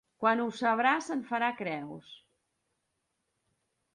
Quan ho sabrà se'n farà creus.